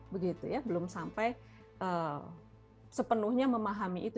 belum sampai sepenuhnya memahami itu